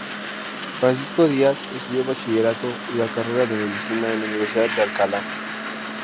Francisco Díaz estudió bachillerato y la carrera de Medicina en la Universidad de Alcalá.